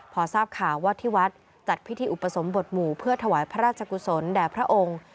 พอทราบข่าวว่าที่วัดจัดพิธีอุปสมบทหมู่เพื่อถวายพระราชกุศลแด่พระองค์